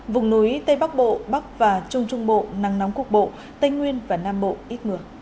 vùng núi tây bắc bộ bắc và trung trung bộ nắng nóng cục bộ tây nguyên và nam bộ ít mưa